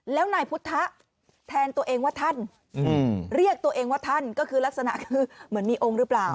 แล้วนายพุทธะแทนตัวเองว่าท่านเรียกตัวเองว่าท่านก็คือลักษณะคือเหมือนมีองค์หรือเปล่า